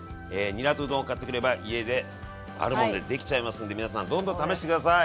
にらとうどんを買ってくれば家であるものでできちゃいますんで皆さんどんどん試して下さい。